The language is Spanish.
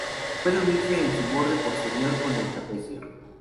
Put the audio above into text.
Puede unirse en su borde posterior con el trapecio.